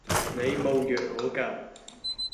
你無藥可救